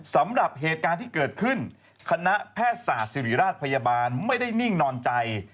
สำหรับเหตุการณ์ที่เกิดขึ้นคณะแพทย์ศาสตร์ศิริราชพยาบาลไม่ได้นิ่งนอนใจ